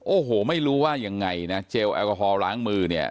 โอ้โหไม่รู้ว่ายังไงนะเจลแอลกอฮอลล้างมือเนี่ย